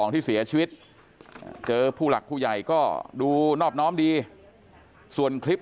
ที่เสียชีวิตเจอผู้หลักผู้ใหญ่ก็ดูนอบน้อมดีส่วนคลิป